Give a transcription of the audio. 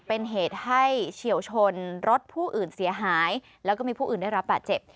เป็นเหตุให้เฉียวชนรถผู้อื่นเสียหายแล้วก็มีผู้อื่นได้รับบาดเจ็บ